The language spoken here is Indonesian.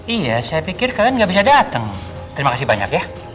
iya saya pikir kalian gak bisa datang terima kasih banyak ya